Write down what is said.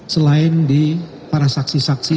selain di para saksi saksi